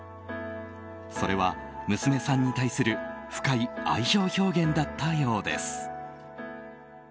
それは、娘さんに対する深い愛情表現だったようです。